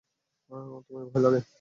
তোমার ভয় লাগে?